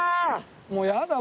もうやだ。